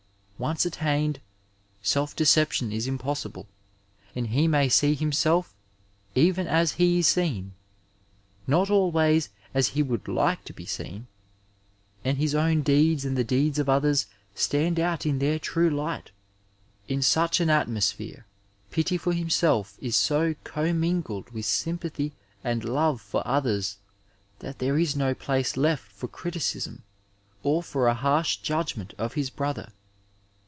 Once attained, self deception is impossible, and he may see himself even as he is seen — ^not always as he would like to be seen — ^and his own deeds and the deeds of others stand out in their true light. In such an atmosphere pity for himself is so commingled with sympathy and love for others that there is no place left for criticism or for a harsh judgment of his brother.